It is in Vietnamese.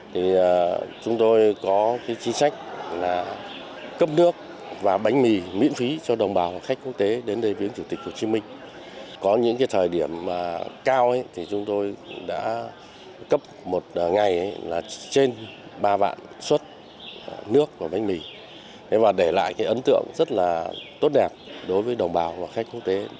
thì chúng tôi có chính sách là cấp nước và bánh mì miễn phí cho đồng bào khách